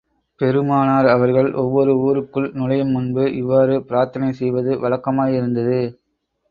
பெருமானார் அவர்கள் ஒவ்வொரு ஊருக்குள் நுழையும் முன்பு இவ்வாறு பிரார்த்தனை செய்வது வழக்கமாயிருந்தது.